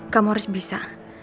kamu harus bisa